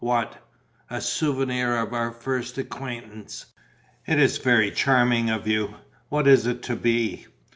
"What?" "A souvenir of our first acquaintance." "It is very charming of you. What is it to be?"